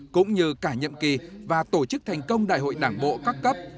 cũng như cả nhiệm kỳ và tổ chức thành công đại hội đảng bộ các cấp